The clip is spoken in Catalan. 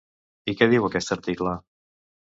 I què diu aquest article?